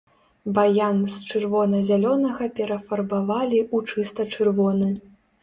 Баян з чырвона-зялёнага перафарбавалі ў чыста чырвоны.